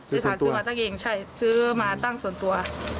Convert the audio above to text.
เป็นสารซื้อมาตั้งเองซื้อตังส่วนตัว